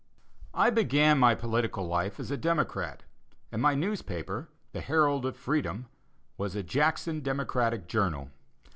I began my political life as a Democrat, and my newspaper, the Herald of Freedom, was a Jackson Democratic journal.